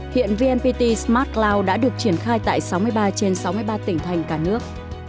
hiện vnpt smart cloud đã được triển khai tại sáu mươi ba trên sáu mươi ba tỉnh thành cả nước